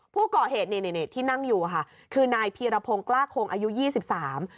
ผู้ก่อเหตุนี่นี่ที่นั่งอยู่อ่ะค่ะคือนายพีรพงศ์กล้าคงอายุยี่สิบสาม